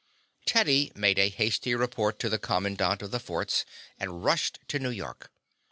Teddy made a hasty report to the commandant of the forts and rushed to New York.